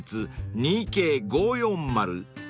２ｋ５４０］